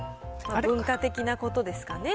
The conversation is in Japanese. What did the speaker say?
文化的なことですかね。